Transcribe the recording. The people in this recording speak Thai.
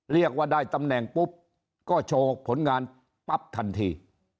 เรียกว่าได้ตำแหน่งปุ๊บก็โชว์ผลงานปั๊บทันที